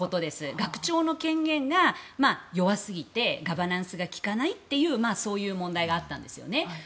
学長の権限が弱すぎてガバナンスが利かないという問題があったんですね。